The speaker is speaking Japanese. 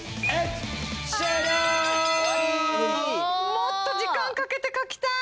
もっと時間かけて描きたい！